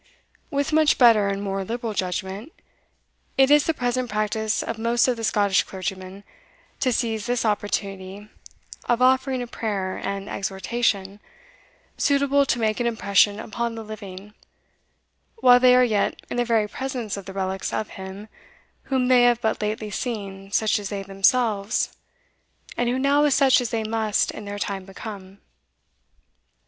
With much better and more liberal judgment, it is the present practice of most of the Scottish clergymen to seize this opportunity of offering a prayer, and exhortation, suitable to make an impression upon the living, while they are yet in the very presence of the relics of him whom they have but lately seen such as they themselves, and who now is such as they must in their time become.